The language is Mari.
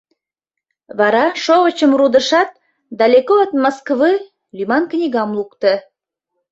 Вара шовычым рудышат, «Далеко от Москвы» лӱман книгам лукто.